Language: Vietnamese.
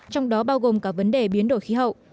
trong đó bao gồm cả vấn đề biến đổi khí hậu